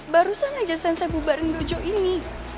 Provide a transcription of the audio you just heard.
barusan aja saya bubarin dojo ini